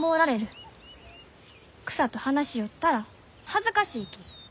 草と話しよったら恥ずかしいき。